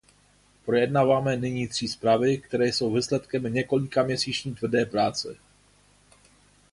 Projednáváme nyní tři zprávy, které jsou výsledkem několikaměsíční tvrdé práce.